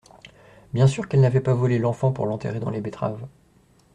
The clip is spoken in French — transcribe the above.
Bien sûr qu'elle n'avait pas volé l'enfant pour l'enterrer dans les betteraves.